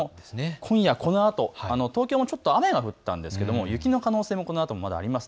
今夜このあと東京も雨が降ったんですが雪の可能性、このあともまだあります。